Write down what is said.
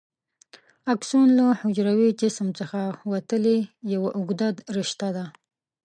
اکسون له حجروي جسم څخه وتلې یوه اوږده رشته ده.